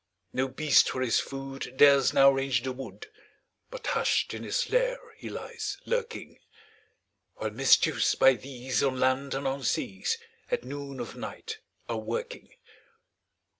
No beast, for his food, Dares now range the wood, But hush'd in his lair he lies lurking; While mischiefs, by these, On land and on seas, At noon of night are a working.